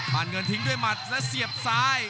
นเงินทิ้งด้วยหมัดและเสียบซ้าย